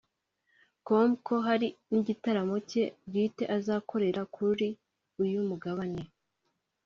com ko hari n’igitaramo cye bwite azakorera kuri uyu mugabane